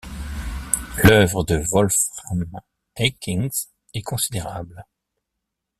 L' œuvre de Wolfram Heickings est considérable.